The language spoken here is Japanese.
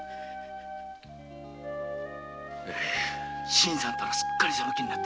新さんたらすっかりその気だぜ。